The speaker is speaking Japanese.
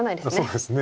そうですね